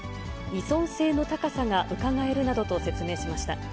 依存性の高さがうかがえるなどと説明しました。